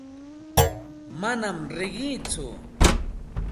Manam riqiitsu.